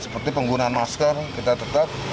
seperti penggunaan masker kita tetap